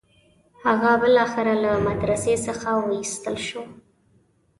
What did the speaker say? هغه بالاخره له مدرسې څخه وایستل شو.